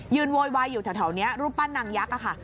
โวยวายอยู่แถวนี้รูปปั้นนางยักษ์ค่ะ